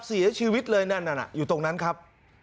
เสียชีวิตเลยนั่นอยู่ตรงนั้นครับ